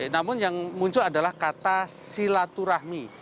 namun yang muncul adalah kata silaturahmi